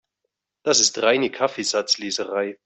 Das ist reine Kaffeesatzleserei.